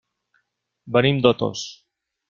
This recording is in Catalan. Venim d'Otos.